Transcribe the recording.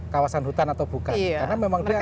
kawasan hutan atau bukan karena memang dia